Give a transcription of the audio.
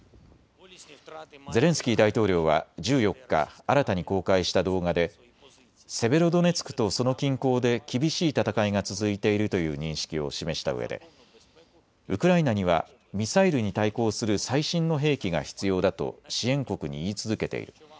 ゼレンスキー大統領は１４日、新たに公開した動画でセベロドネツクとその近郊で厳しい戦いが続いているという認識を示したうえでウクライナにはミサイルに対抗する最新の兵器が必要だと支援国に言い続けている。